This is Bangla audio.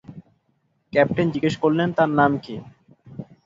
ক্যাপ্টেন জিজ্ঞেস করলেন, তার নাম কী?